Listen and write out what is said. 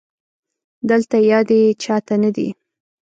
دلته يادې چا ته نه دي